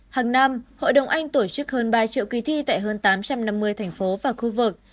hàng năm hội đồng anh tổ chức hơn ba triệu kỳ thi tại hơn tám trăm năm mươi thành phố và khu vực